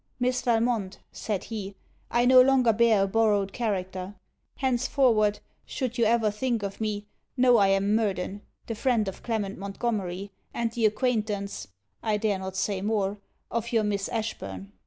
'Miss Valmont,' said he, 'I no longer bear a borrowed character. Henceforward, should you ever think of me, know I am Murden, the friend of Clement Montgomery, and the acquaintance (I dare not say more) of your Miss Ashburn.